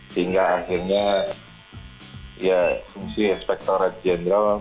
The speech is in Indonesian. sehingga akhirnya ya fungsi inspektor rajinal